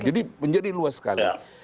jadi menjadi luas sekali